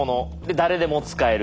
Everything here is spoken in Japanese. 誰でも使える。